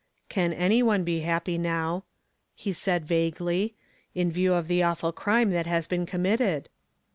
"Can any one be happy now," he said vaguely " in view of the awful crime that has been com mitted